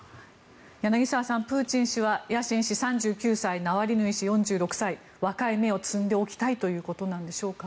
柳澤さん、プーチン氏はヤシン氏、３９歳ナワリヌイ氏、４６歳若い芽を摘んでおきたいということなんでしょうか。